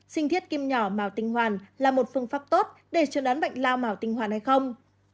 sinh thiết kim nhỏ màu tinh hoàn là một phương pháp tốt để chuẩn đoán bệnh lao màu tinh hoàn hay không